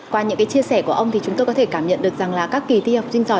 qua những cái chia sẻ của ông thì chúng tôi có thể cảm nhận được rằng là các kỳ thi học sinh giỏi